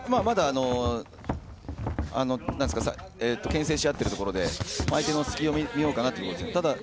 まだけん制しあっているところで相手の隙を見ようかなというところです。